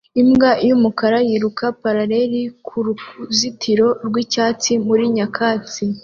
Imbwa yumukara yiruka paralell kuruzitiro rwicyatsi muri nyakatsi